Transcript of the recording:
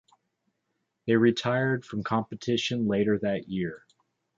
They retired from competition later that year.